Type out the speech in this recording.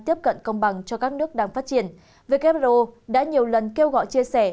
tiếp cận công bằng cho các nước đang phát triển who đã nhiều lần kêu gọi chia sẻ